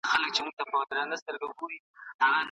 په شاتو، شربتونو او اګاوي کې هم فري شوګر وي.